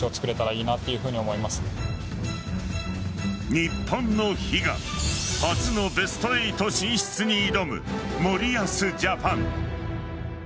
日本の悲願初のベスト８進出に挑む森保ジャパン。